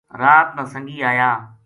رات نا سنگی آیا